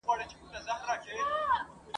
که دا ښار هدیره نه وای که ژوندي پر اوسېدلای `